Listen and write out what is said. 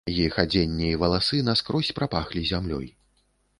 Іх адзенне і валасы наскрозь прапахлі зямлёй.